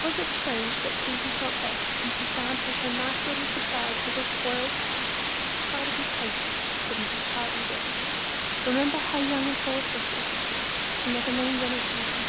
Was it strange that Susy felt vexed when she found that her nice little surprise was all spoiled? "Try to be patient," said Mrs. Parlin, gently. "Remember how young and thoughtless your sister is. She never means any harm."